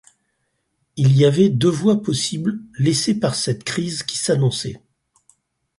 Il y avait deux voies possibles laissées par cette crise qui s'annonçait.